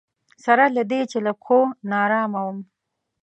سره له دې چې له پښو ناارامه وم.